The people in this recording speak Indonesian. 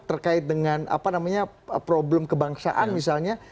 terkait dengan apa namanya problem kebangsaan misalnya